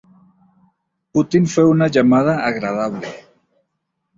Putin fue una llamada agradable".